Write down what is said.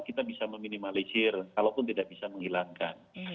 kita bisa meminimalisir kalaupun tidak bisa menghilangkan